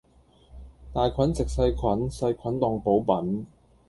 大菌食細菌,細菌當補品